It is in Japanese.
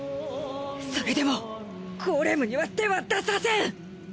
それでもゴーレムには手は出させん！